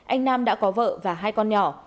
anh nam đã có vợ và hai con nhỏ